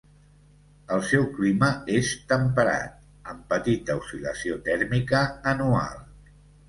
El seu clima és temperat amb petita oscil·lació tèrmica anual.